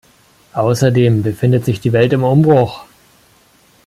Außerdem befindet sich die Welt im Umbruch.